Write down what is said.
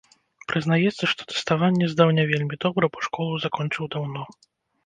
Прызнаецца, што тэставанне здаў не вельмі добра, бо школу закончыў даўно.